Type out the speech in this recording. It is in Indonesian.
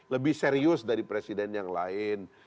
lebih serius dari presiden yang lain